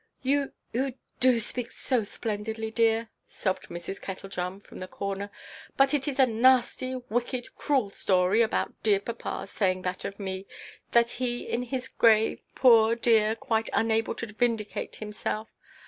"You—you do speak so splendidly, dear," sobbed Mrs. Kettledrum from the corner; "but it is a nasty, wicked, cruel story, about dear papa saying that of me, and he in his grave, poor dear, quite unable to vindicate himself.